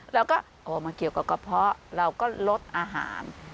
เราก็โอ้มันเกี่ยวกับกระเพาะเราก็ลดอาหาร